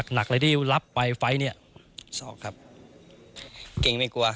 หนักเลยได้รับไวไฟฟ้นี่ครับเก่งไม่กลัว